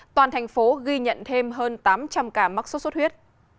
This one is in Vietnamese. toàn thành phố ghi nhận thêm hơn tám trăm linh ca mắc sốt xuất huyết